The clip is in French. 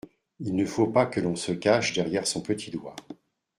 Il ne faut pas que l’on se cache derrière son petit doigt.